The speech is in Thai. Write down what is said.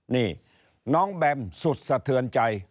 นี่น้องแบมสุดสะเทือนใจ